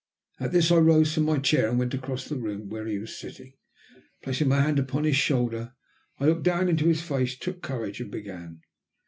At this I rose from my chair and went across the room to where he was sitting. Placing my hand upon his shoulder I looked down into his face, took courage, and began.